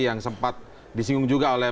yang sempat disinggung juga oleh